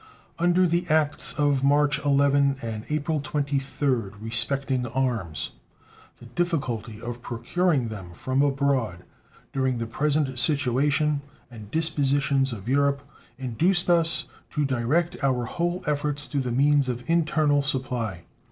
Under the acts of March 11th and April 23rd respecting arms, the difficulty of procuring them from abroad during the present situation and dispositions of Europe induced us to direct our whole efforts to the means of internal supply.